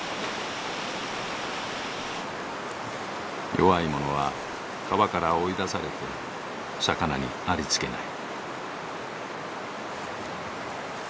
弱い者は川から追い出されて魚にありつけない。